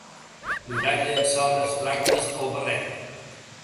Li vaig llançar unes dracmes al barret.